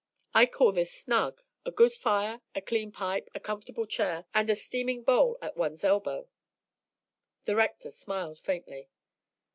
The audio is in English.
I call this snug: a good fire, a clean pipe, a comfortable chair, and a steaming bowl at one's elbow." The Rector smiled faintly.